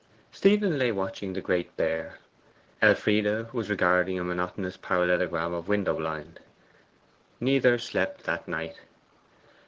Stephen lay watching the Great Bear; Elfride was regarding a monotonous parallelogram of window blind. Neither slept that night.